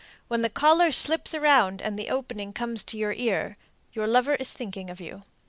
When the collar slips around and the opening comes to the ear, your lover is thinking of you.